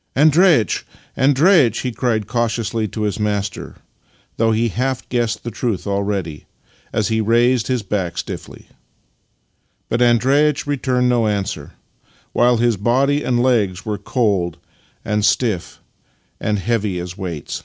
" Andreitch, Andreitch! " he cried cautiously to his master (though he half guessed the truth aJready) as he raised his back stiffly. But Andreitch re turned no answer, while his body and legs were cold and stiff and heavy as weights.